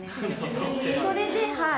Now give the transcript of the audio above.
それではい。